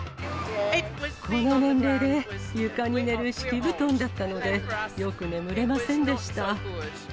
この年齢で、床に寝る敷布団だったので、よく眠れませんでした。